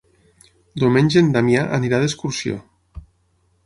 Diumenge en Damià anirà d'excursió.